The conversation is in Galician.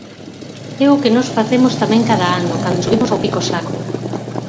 É o que nós facemos tamén cada ano cando subimos ao Pico Sacro.